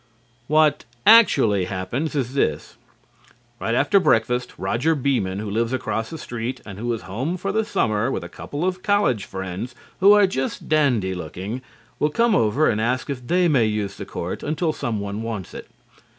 What actually will happen is this: Right after breakfast Roger Beeman, who lives across the street and who is home for the summer with a couple of college friends who are just dandy looking, will come over and ask if they may use the court until someone wants it.